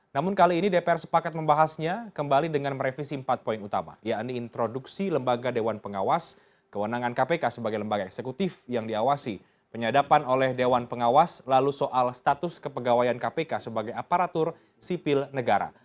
namun kali ini dpr sepakat membahasnya kembali dengan merevisi empat poin utama yakni introduksi lembaga dewan pengawas kewenangan kpk sebagai lembaga eksekutif yang diawasi penyadapan oleh dewan pengawas lalu soal status kepegawaian kpk sebagai aparatur sipil negara